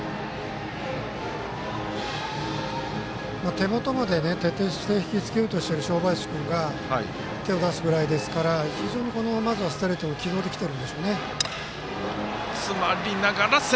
手元まで徹底して引きつけようとしている正林君が手を出すぐらいですからストレートを決めてきているんでしょうね。